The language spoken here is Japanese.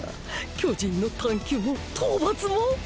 巨人の探究も討伐も！